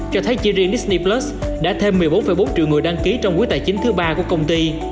cho thấy chi riêng disney đã thêm một mươi bốn bốn triệu người đăng ký trong quý tài chính thứ ba của công ty